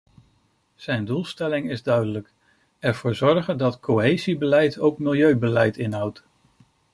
Zijn doelstelling is duidelijk: ervoor zorgen dat cohesiebeleid ook milieubeleid inhoudt.